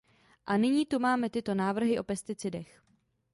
A nyní tu máme tyto návrhy o pesticidech.